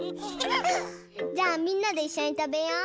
じゃあみんなでいっしょにたべよう。